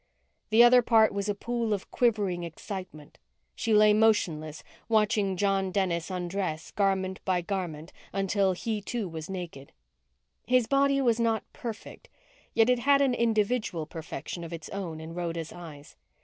_ The other part was a pool of quivering excitement. She lay motionless, watching John Dennis undress, garment by garment, until he, too, was naked. His body was not perfect, yet it had an individual perfection of its own in Rhoda's eyes.